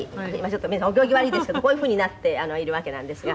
ちょっとお行儀悪いですけどこういうふうになっているわけなんですが。